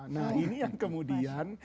nah ini yang kemudian